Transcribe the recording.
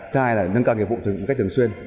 thứ hai là nâng cao nghiệp vụ thường xuyên